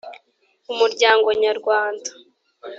umuryango nyarwanda